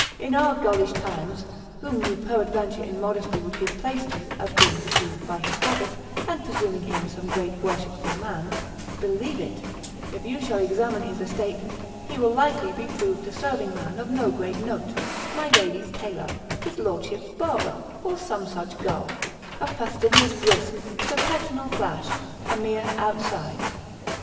In our gullish times, whom you peradventure in modesty would give place to, as being deceived by his habit, and presuming him some great worshipful man, believe it, if you shall examine his estate, he will likely be proved a serving man of no great note, my lady's tailor, his lordship's barber, or some such gull, a Fastidius Brisk, Sir Petronel Flash, a mere outside.